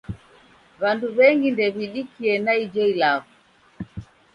W'andu w'engu ndew'idikie na ijo ilagho.